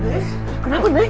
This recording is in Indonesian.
eh kenapa nay